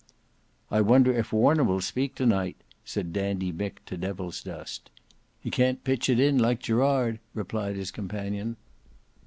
"I wonder if Warner will speak to night," said Dandy Mick to Devilsdust. "He can't pitch it in like Gerard," replied his companion.